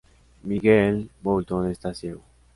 Miguel Boulton está ciego.